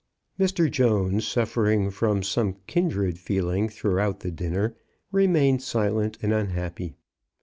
Mr. Jones, suffering from some kindred feeling through out the dinner, remained silent and unhappy.